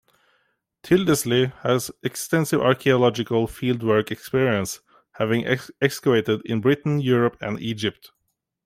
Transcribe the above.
Tyldesley has extensive archaeological fieldwork experience, having excavated in Britain, Europe and Egypt.